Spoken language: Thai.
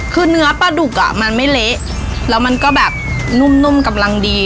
คือเนื้อปลาดุกอ่ะมันไม่เละแล้วมันก็แบบนุ่มกำลังดี